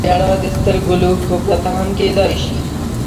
• ژړا د سترګو له اوښکو پرته هم کېدای شي.